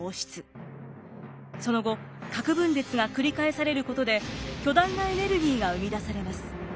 その後核分裂が繰り返されることで巨大なエネルギーが生み出されます。